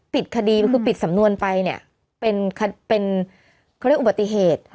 ปิดคดีปิดสำนวนไปเนี่ยเป็นเกิดเป็นอุบัติเหตุ